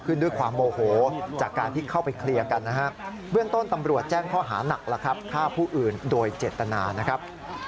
ขอบคุณครับ